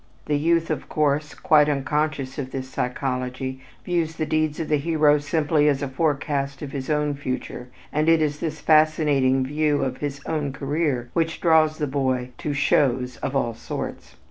The youth of course, quite unconscious of this psychology, views the deeds of the hero simply as a forecast of his own future and it is this fascinating view of his own career which draws the boy to "shows" of all sorts.